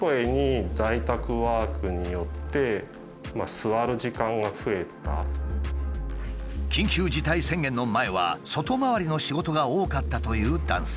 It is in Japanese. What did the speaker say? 企画や営業を担当する緊急事態宣言の前は外回りの仕事が多かったという男性。